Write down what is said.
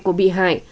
của bị hại